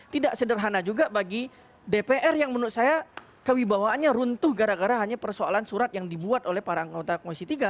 tidak sederhana juga bagi dpr yang menurut saya kewibawaannya runtuh gara gara hanya persoalan surat yang dibuat oleh para anggota komisi tiga